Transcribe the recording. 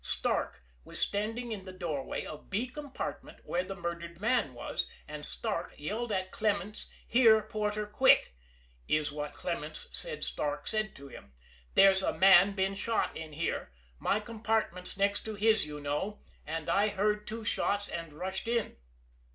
Starke was standing in the doorway of B compartment where the murdered man was, and Starke yelled at Clements. "Here, porter, quick!" is what Clements says Starke said to him: "There's a man been shot in here! My compartment's next to this, you know, and I heard two shots and rushed in."